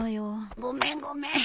ごめんごめん。